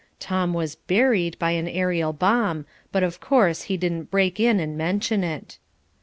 (Tom was "buried" by an aerial bomb but, of course, he didn't break in and mention it.)